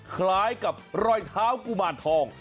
คล้ายกับรอยเท้ากุมารทอง